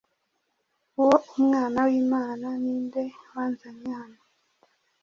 Uwo Umwana wImana Ninde wanzanye hano